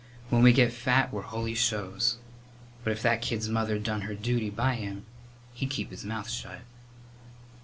When we get fat we're holy shows. But if that kid's mother's done her duty by him he'd keep his mouth shut."